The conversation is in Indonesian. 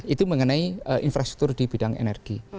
itu mengenai infrastruktur di bidang energi